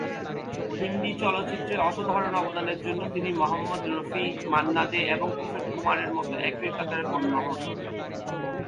হিন্দি চলচ্চিত্রে অসাধারণ অবদানের জন্য তিনি মোহাম্মদ রফি, মান্না দে এবং কিশোর কুমারের মতো একই কাতারে গণ্য হন।